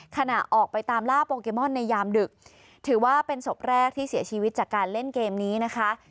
ขณะออกไปตามล่าโปเกมอนในยามดึกถือว่าเป็นศพแรกที่เสียชีวิตจากการเล่นเกมนี้นะคะ